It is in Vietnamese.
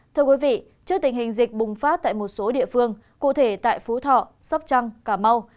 thưa quý vị trước tình hình dịch bùng phát tại một số địa phương cụ thể tại phú thọ sóc trăng cà mau